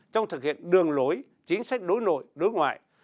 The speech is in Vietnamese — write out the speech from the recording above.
trong thực hiện đường lối chính sách đối nội đối ngoại